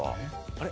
あれ？